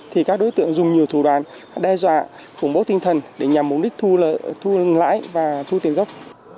thì các đối tượng dùng nhiều thủ đoàn đe dọa khủng bố tinh thần để nhằm mục đích thu lãi và thu tiền gốc